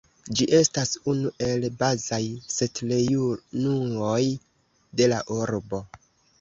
Ĝi estas unu el bazaj setlejunuoj de la urbo.